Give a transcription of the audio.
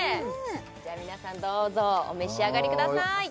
じゃあ皆さんどうぞお召し上がりください